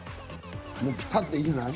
もうピタッでいいんじゃない。